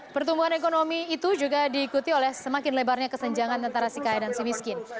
pertumbuhan ekonomi itu juga diikuti oleh semakin lebarnya kesenjangan antara si kaya dan si miskin